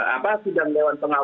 apa sidang dewan pengawas